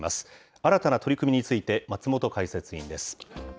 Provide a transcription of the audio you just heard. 新たな取り組みについて、松本解説委員です。